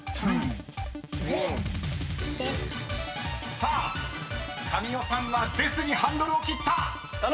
［さあ神尾さんはデスにハンドルを切った！］